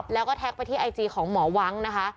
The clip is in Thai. แล้วก็แท็กไปที่ไอจีของหมอวังนะคะ